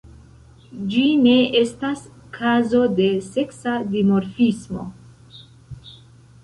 Ĝi ne estas kazo de seksa dimorfismo.